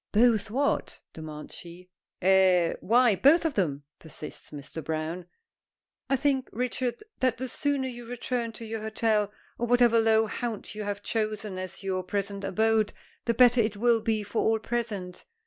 "Both what?" demands she. "Eh? Why, both of them," persists Mr. Browne. "I think, Richard, that the sooner you return to your hotel, or whatever low haunt you have chosen as your present abode, the better it will be for all present."